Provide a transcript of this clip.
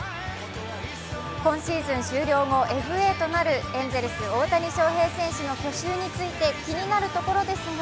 今シーズン終了後、ＦＡとなるエンゼルス大谷翔平選手の去就について気になるところですが、